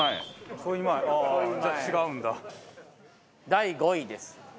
第５位です。